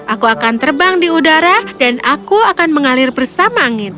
aku akan terbang di udara dan aku akan mengalir bersama angin